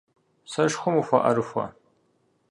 Сэшхуэм ухуэӀэрыхуэ?